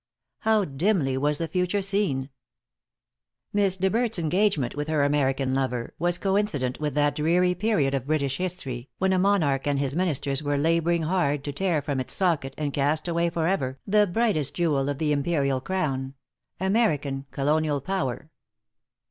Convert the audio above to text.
How dimly was the future seen! Miss De Berdt's engagement with her American lover, was coincident with that dreary period of British history, when a monarch and his ministers were laboring hard to tear from its socket, and cast away for ever, the brightest jewel of the imperial crown American colonial power.